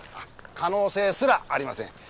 可能性すらありません。